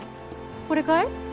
これかい？